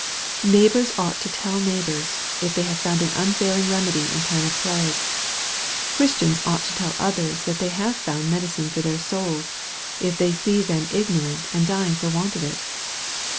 Neighbors ought to tell neighbors, if they have found an unfailing remedy in time of plague. Christians ought to tell others that they have found medicine for their souls, if they see them ignorant, and dying for want of it.